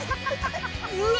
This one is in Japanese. うわ！